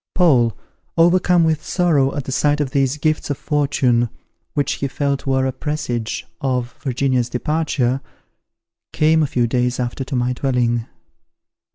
Paul, overcome with sorrow at the sight of these gifts of fortune, which he felt were a presage of Virginia's departure, came a few days after to my dwelling.